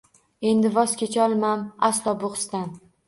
Endi voz kecholmam aslo bu hisdan